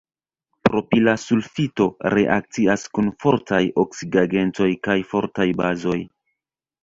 Propila sulfito reakcias kun fortaj oksidigagentoj kaj fortaj bazoj.